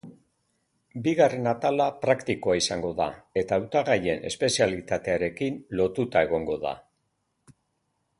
Bigarren atala praktikoa izango da, eta hautagaien espezialitatearekin lotuta egongo da.